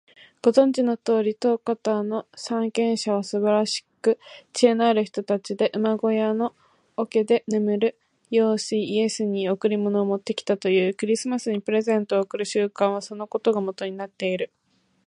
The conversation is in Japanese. ご存じのとおり、東方の三賢者はすばらしく知恵のある人たちで、馬小屋の桶で眠る幼子イエスに贈り物を持ってきたという。クリスマスにプレゼントを贈る習慣は、そのことがもとになっている。